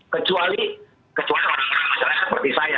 kecuali masalah seperti saya